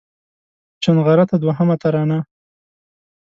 چونغرته دوهمه ترانه